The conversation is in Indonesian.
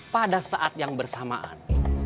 pada saat yang bersamaan